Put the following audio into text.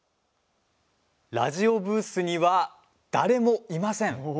ラジオブースには誰もいません。